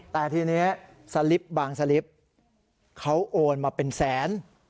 แต่ทีนี้สลิปบางสลิปเขาโอนมาเป็นแสน